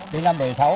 đến năm bảy sáu